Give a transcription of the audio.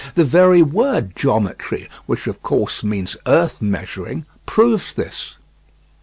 The very word geometry, which, of course, means earth measuring, proves this.